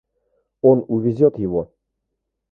Он увезет его.